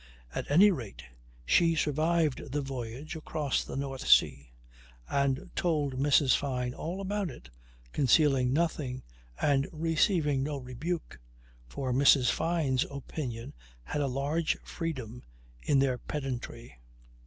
At any rate she survived the voyage across the North Sea and told Mrs. Fyne all about it, concealing nothing and receiving no rebuke for Mrs. Fyne's opinions had a large freedom in their pedantry.